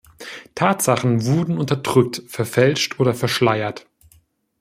Tatsachen wurden unterdrückt, verfälscht oder verschleiert.